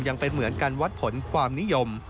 ยังเป็นเหมือนการวัดผลความนิยม